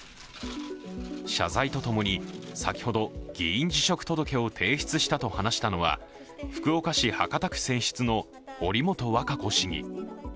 謝罪と共に先ほど、議員辞職届を提出したと話したのは福岡市博多区選出の堀本和歌子市議。